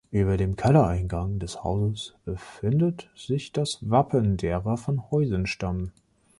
Über dem Kellereingang des Hauses befindet sich das Wappen derer von Heusenstamm.